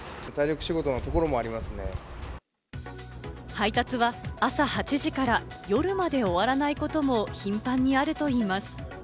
配達は朝８時から夜まで終わらないことも頻繁にあるといいます。